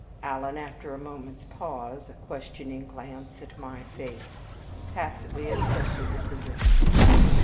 Alan, after a moment's pause, a questioning glance at my face, tacitly accepted the position.